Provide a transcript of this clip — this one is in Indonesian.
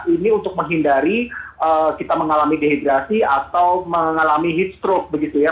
ini untuk menghindari kita mengalami dehidrasi atau mengalami heat stroke begitu ya